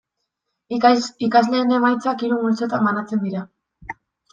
Ikasleen emaitzak hiru multzotan banatzen dira.